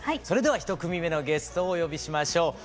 それでは１組目のゲストをお呼びしましょう。